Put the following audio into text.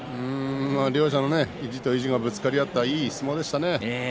両者の意地と意地がぶつかり合ったいい相撲でしたね。